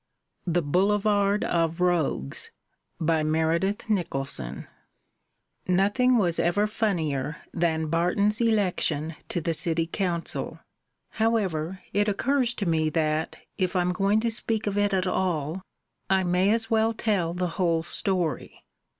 THE BOULEVARD OF ROGUES BY MEREDITH NICHOLSON NOTHING was ever funnier than Barton's election to the City Council. However, it occurs to me that, if I'm going to speak of it at all, I may as well tell the whole story.